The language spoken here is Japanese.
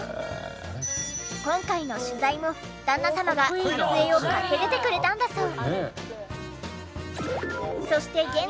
今回の取材も旦那様が撮影を買って出てくれたんだそう。